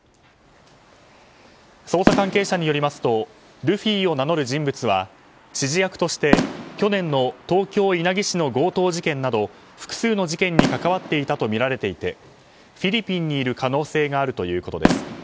捜査関係者によりますとルフィを名乗る人物は指示役として去年の東京・稲城市の強盗事件など複数の事件に関わっていたとみられていてフィリピンにいる可能性があるということです。